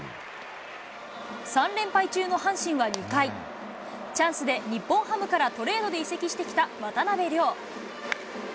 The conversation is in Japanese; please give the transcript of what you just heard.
３連敗中の阪神は２回、チャンスで、日本ハムからトレードで移籍してきた渡邉諒。